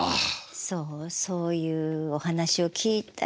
そうそういうお話を聞いたりとか。